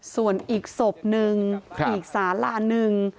ส่วนอีกศพนึงอีกสาลาหนึ่ง